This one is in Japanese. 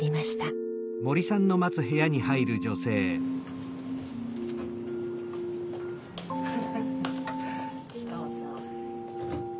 どうぞ。